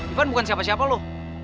ivan bukan siapa siapa loh